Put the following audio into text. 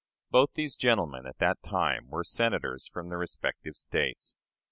Both these gentlemen at that time were Senators from their respective States.